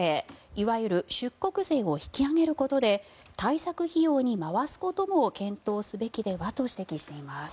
いわゆる出国税を引き上げることで対策費用に回すことも検討すべきではと指摘しています。